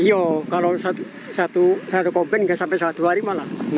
iya kalau satu kompen nggak sampai salah dua hari malah